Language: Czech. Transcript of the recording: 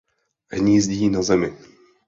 Hnízdí na zemi.